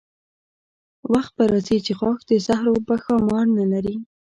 وخت به راځي چې غاښ د زهرو به ښامار نه لري.